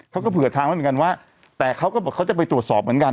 เขาก็เผื่อทางไว้เหมือนกันว่าแต่เขาก็บอกเขาจะไปตรวจสอบเหมือนกัน